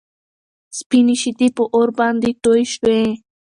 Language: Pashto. سپينې شيدې په اور باندې توی شوې.